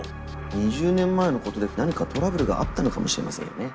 ２０年前のことで何かトラブルがあったのかもしれませんよね。